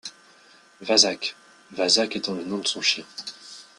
Vazak, Vazak étant le nom de son chien.